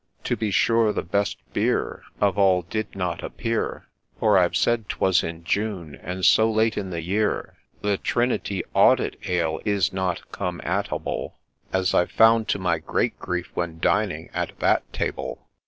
To be sure the best beer Of all did not appear ; For I've said 'twas in June, and so late in the year The ' Trinity Audit Ale ' is not come at able, — As I've found to my great grief when dining at that table.